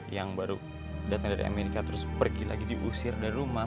yang baru datang dari amerika terus pergi lagi diusir dari rumah